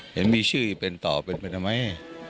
เห็นมีชื่อเป็นต่อเป็นไปทำไม